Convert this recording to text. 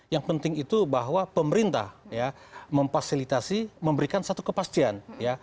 yang penting itu bahwa pemerintah memfasilitasi memberikan satu kepastian